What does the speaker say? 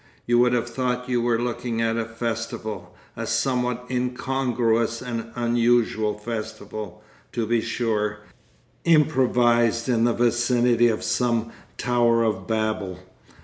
You would have thought you were looking at a festival, a somewhat incongruous and unusual festival, to be sure, improvised in the vicinity of some tower of Babel.